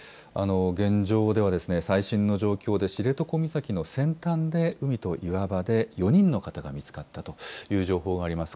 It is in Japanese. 現状では、最新の状況で、知床岬の先端で海と岩場で４人の方が見つかったという情報があります。